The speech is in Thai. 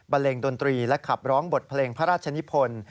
เลงดนตรีและขับร้องบทเพลงพระราชนิพล